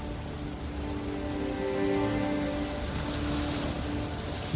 dia sudah berada di dalam tempat yang terkenal